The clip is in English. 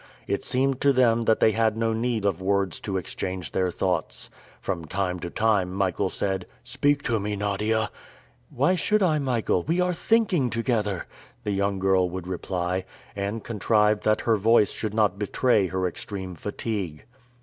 It seemed to them that they had no need of words to exchange their thoughts. From time to time Michael said, "Speak to me, Nadia." "Why should I, Michael? We are thinking together!" the young girl would reply, and contrived that her voice should not betray her extreme fatigue.